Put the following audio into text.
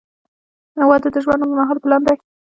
• واده د ژوند اوږدمهاله پلان دی.